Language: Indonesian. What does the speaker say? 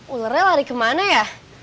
ulernya lari kemana ya